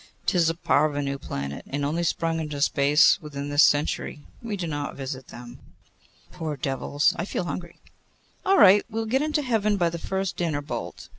'Tis a parvenu planet, and only sprung into space within this century. We do not visit them.' 'Poor devils! I feel hungry.' 'All right. We shall get into Heaven by the first dinner bolt.